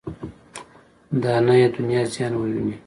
دا نه یې دنیا زیان وویني.